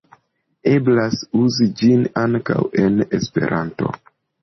Eblas uzi ĝin ankaŭ en Esperanto.